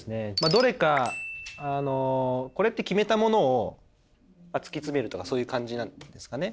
どれかあのこれって決めたものを突き詰めるとかそういう感じなんですかね？